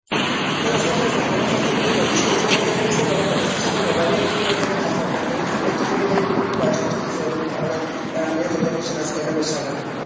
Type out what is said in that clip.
من از یکی از همکاران خواستم بیرون با گوشی هوشمند خود بایستد، و او متصل شود، و برای اینکه این را کمی ترسناکتر کنیم … (خنده) اجازه بدهید ببینیم بچهها چه چیزهایی را میتوانند در امنیت اتاقشان از کایلا بشنوند